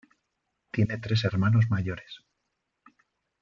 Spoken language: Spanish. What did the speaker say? Tiene tres hermanos mayores.